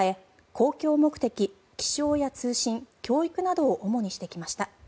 公共目的、気象や通信教育などを主にしてきました。